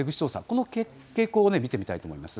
この傾向を見てみたいと思います。